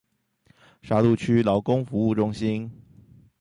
沙鹿區勞工服務中心